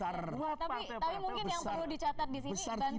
tapi mungkin yang perlu dicatat disini bantuan keuangan